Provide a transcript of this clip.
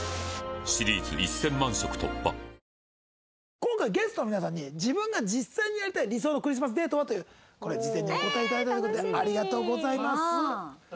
今回ゲストの皆さんに「自分が実際にやりたい理想のクリスマスデートは？」というこれ事前にお答え頂いたという事でありがとうございます。